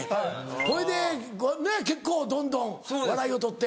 ほれで結構どんどん笑いを取って。